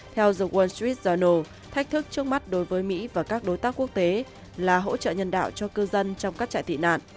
theo the wall street journal thách thức trước mắt đối với mỹ và các đối tác quốc tế là hỗ trợ nhân đạo cho cư dân trong các trại tị nạn